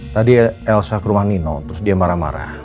tadi elsa ke rumah nino terus dia marah marah